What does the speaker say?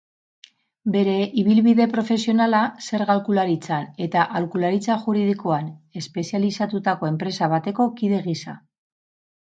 Bere ibilbide profesionala zerga-aholkularitzan eta aholkularitza juridikoan espezializatutako enpresa bateko kide gisa.